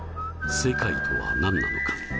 世界とは何なのか。